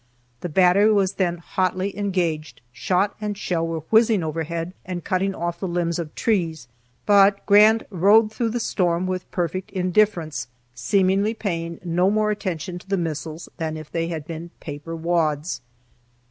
The battery was then hotly engaged; shot and shell were whizzing overhead, and cutting off the limbs of trees, but Grant rode through the storm with perfect indifference, seemingly paying no more attention to the missiles than if they had been paper wads.